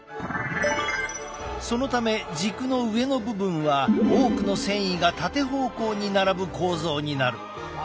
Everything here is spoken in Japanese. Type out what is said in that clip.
そのため軸の上の部分は多くの繊維が縦方向に並ぶ構造になる。